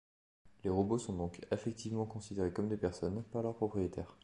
Les robots sont donc affectivement considérés comme des personnes par leur propriétaires.